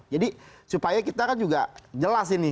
jadi supaya kita kan juga jelas ini